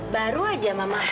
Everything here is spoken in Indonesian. baru aja mama